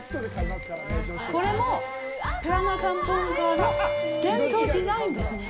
これもプラナカン文化の伝統デザインですね。